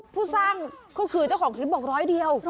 ผู้สร้างก็คือเจ้าของคลิปบอกร้อยเดียว